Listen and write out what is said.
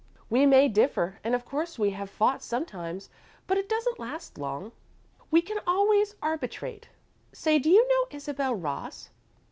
"We may differ, and of course we have fought sometimes, but it doesn't last long. We can always arbitrate. Say, do you know Isabel Ross?"